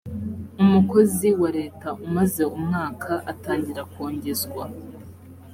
umukozi wa leta umaze umwaka atangira kongezwa.